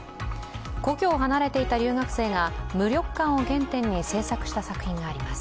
故郷を離れていた留学生が無力感を原点に制作した作品があります。